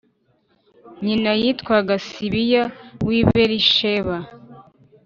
Nyina yitwaga Sibiya w i BeriSheba